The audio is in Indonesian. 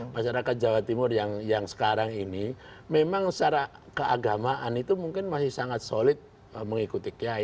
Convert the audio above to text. masyarakat jawa timur yang sekarang ini memang secara keagamaan itu mungkin masih sangat solid mengikuti kiai